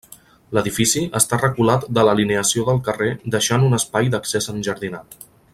L'edifici està reculat de l'alineació del carrer deixant un espai d'accés enjardinat.